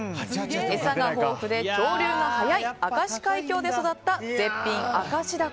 餌が豊富で潮流が速い明石海峡で育った絶品明石だこ。